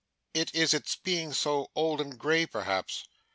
It is its being so old and grey perhaps.